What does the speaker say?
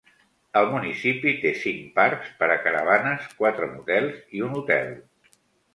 El municipi té cinc parcs per a caravanes, quatre motels i un hotel.